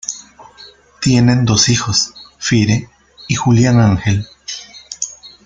Tienen dos hijos, Fire y Julian Angel.